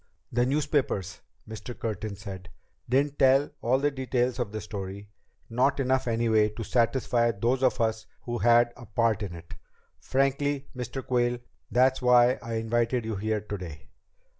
"The newspapers," Mr. Curtin said, "didn't tell all the details of the story, not enough anyway to satisfy those of us who had a part in it. Frankly, Mr. Quayle, that's why I invited you here today.